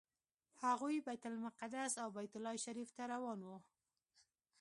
هغوی بیت المقدس او بیت الله شریف ته روان وو.